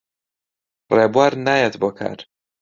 ڕێبوار نایەت بۆ کار.